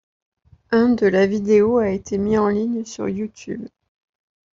Un de la vidéo a été mis en ligne sur YouTube.